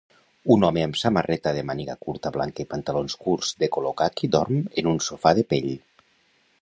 Un home amb samarreta de màniga curta blanca i pantalons curts de color caqui dorm en un sofà de pell